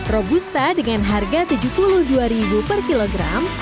robusta dengan harga rp tujuh puluh dua per kilogram